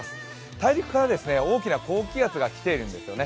大陸から大きな高気圧が来ているんですよね。